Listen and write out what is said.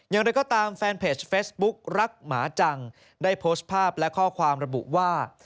อย่างไรก็ตามแฟนเพจเฟซบุ๊กรักหมาจังได้โพสต์ภาพและข้อความระบุว่า